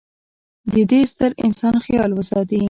د د ې ستر انسان خیال وساتي.